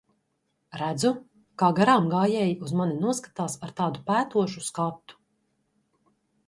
Redzu, kā garāmgājēji uz mani noskatās ar tādu pētošu skatu.